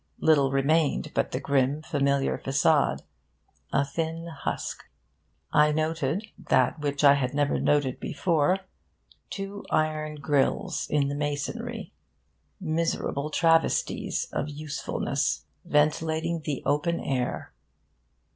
Little remained but the grim, familiar facade a thin husk. I noted (that which I had never noted before) two iron grills in the masonry. Miserable travesties of usefulness, ventilating the open air!